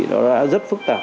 nó đã rất phức tạp